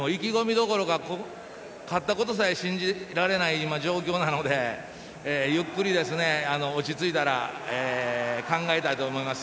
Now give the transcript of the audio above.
意気込みどころか勝ったことさえ信じられない状況なのでゆっくり落ち着いたら考えたいと思います。